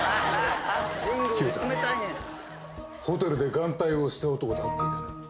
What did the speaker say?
清田ホテルで眼帯をした男と会っていたな。